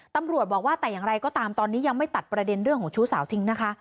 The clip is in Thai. ตำรวจบอกว่าแต่อย่างไรก็ตามตอนนี้ยังไม่ตัดประเด็นเรื่องของชู้สาวทิ้งนะคะ